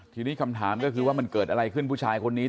ทีนี้คำถามก็คือว่ามันเกิดอะไรขึ้นผู้ชายคนนี้